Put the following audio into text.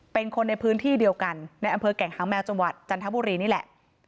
เป็นคนในพื้นที่เดียวกันในอำเภอแก่งหางแมวจังหวัดจันทบุรีนี่แหละ